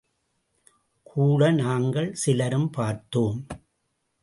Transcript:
கூட நாங்கள் சிலரும் பார்த்தோம்.